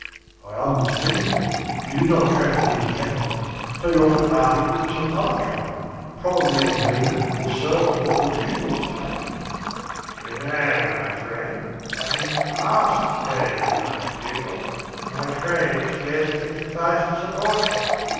"I understand. You did not traffic in cattle, so you offered articles of some other trade probably a mina or so of what the pupils paid you." "You know, my friend, I didn't ask pay of my pupils, and my trade scarcely sufficed to support me.